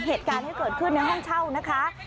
เหตุการณ์ที่เกิดขึ้นในห้องเช่านะคะ